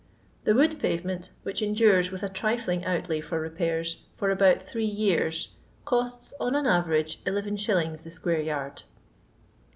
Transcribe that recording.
The wood payement, which endures, with a trifling outlay for repairs, for about three years, costs, on an ayerage, lis. the square yard.